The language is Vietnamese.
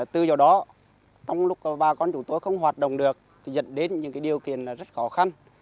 từ giờ đó trong lúc bà con chủ tôi không hoạt động được thì dẫn đến những cái điều kiện rất khó khăn